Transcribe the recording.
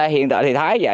hiện tại thì thái vậy